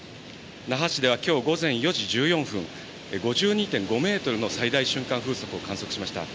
那覇市ではきょう午前４時１４分、５２．５メートルの最大瞬間風速を観測しました。